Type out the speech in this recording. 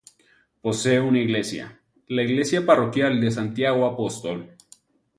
Posee una Iglesia, la Iglesia parroquial de Santiago Apóstol.